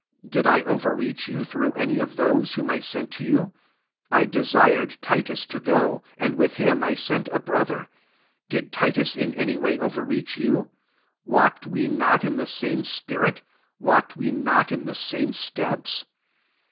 17 Did I overreach you through any of those whom I sent to you ? 18 I desired Titos to go i and, with him, I sent ^ brother. Did Titus in any way overreach you ? walked we not in the same spirit? walked we not in the same steps